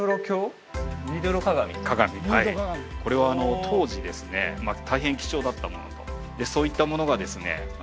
鏡はいこれは当時ですね大変貴重だったものそういったものがですね